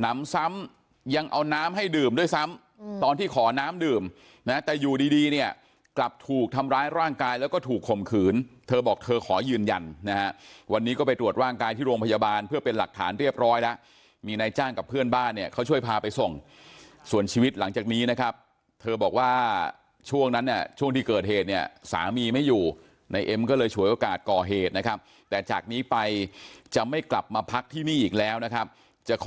หนำซ้ำยังเอาน้ำให้ดื่มด้วยซ้ำตอนที่ขอน้ำดื่มนะแต่อยู่ดีเนี่ยกลับถูกทำร้ายร่างกายแล้วก็ถูกข่มขืนเธอบอกเธอขอยืนยันนะวันนี้ก็ไปตรวจร่างกายที่โรงพยาบาลเพื่อเป็นหลักฐานเรียบร้อยแล้วมีนายจ้างกับเพื่อนบ้านเนี่ยเขาช่วยพาไปส่งส่วนชีวิตหลังจากนี้นะครับเธอบอกว่าช่วงนั้นเนี่ยช่วงที่เกิดเห